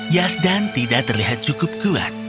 yasdan tidak terlihat cukup kuat